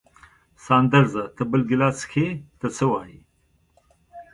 ساندرزه ته بل ګیلاس څښې، ته څه وایې؟